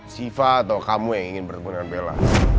siva atau kamu yang ingin bertemu dengan bella